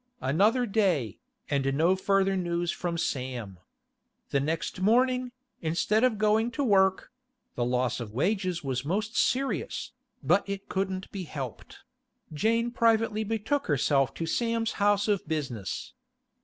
Another day, and no further news from Sam. The next morning, instead of going to work (the loss of wages was most serious, but it couldn't be helped), Jane privately betook herself to Sam's house of business.